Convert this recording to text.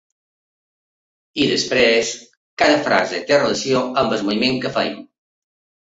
I després, cada frase té relació amb el moviment que fem.